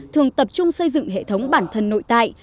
thường tập trung xây dựng hệ thống bản thân nội tại